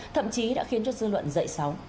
thậm chí đã khiến cho dư luận dậy sóng